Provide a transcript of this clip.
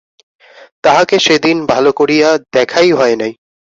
তাহাকে সেদিন ভালো করিয়া দেখাই হয় নাই।